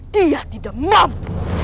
dia tidak mampu